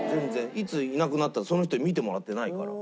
いついなくなったその人に見てもらってないから。